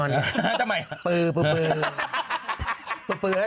ทำไม